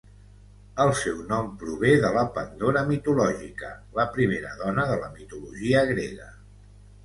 El seu nom prové de la Pandora mitològica, la primera dona de la mitologia grega.